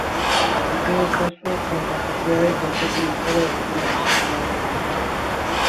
En todo caso con capacidades de ataque ligero de forma secundaria.